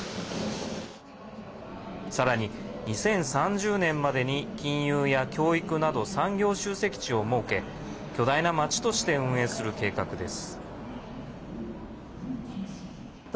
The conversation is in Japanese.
さらに、２０３０年までに金融や教育など産業集積地を設け巨大な街として運営する計画です。